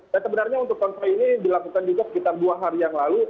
sebenarnya untuk konvoy ini dilakukan juga sekitar dua hari yang lalu